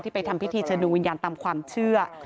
ไปทำพิธีเชิญดวงวิญญาณตามความเชื่อ